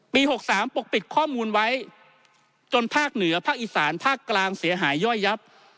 ๖๓ปกปิดข้อมูลไว้จนภาคเหนือภาคอีสานภาคกลางเสียหายย่อยยับ